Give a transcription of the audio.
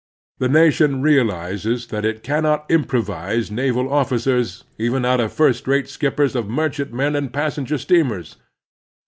The nation realizes that it cannot improvise naval officers even out of first rate skippers of merchantmen and passenger steamers.